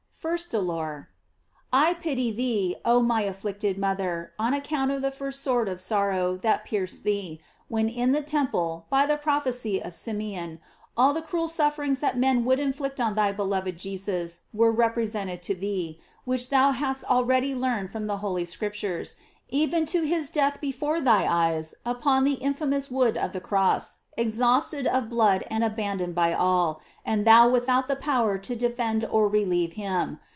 First Dolor. — I pity thee, oh my afflicted mother, on account of the first sword of sorrow that pierced thee, when in the temple, by the prophecy of St. Simeon, all the cruel sufferings that men would inflict on thy beloved Jesus were represented to thee, which thou hadst al ready learned from the holy Scriptures, even to his death before thy eyes upon the infamous wood of the cross, exhausted of blood and abandoned by all, and thou without the power to defend or relieve him.